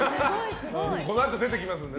このあと出てきますので。